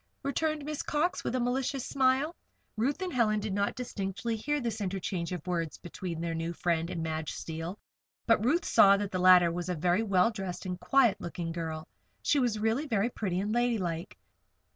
returned Miss Cox, with a malicious smile. Ruth and Helen did not distinctly hear this interchange of words between their new friend and Madge Steele; but Ruth saw that the latter was a very well dressed and quiet looking girl that she was really very pretty and ladylike.